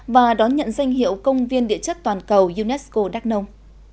và đón nhận danh hiệu công viên địa chất toàn cầu unesco đắk nông